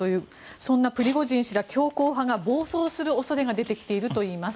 そんなプリゴジン氏ら強硬派が暴走する恐れが出てきているといいます。